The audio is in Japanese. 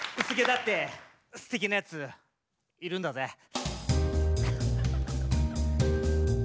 薄毛だってすてきなやついるんだぜ。